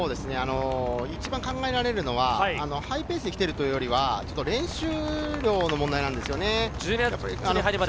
一番考えられるのはハイペースで来ているというよりは、練習量の問題なんですよね。